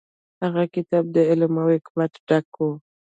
هغه کتاب د علم او حکمت ډک و.